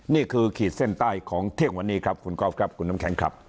นี่คือขีดเส้นใต้ของเทควันนี้ครับคุณกอล์ฟครับคุณน้ำแข็งครับ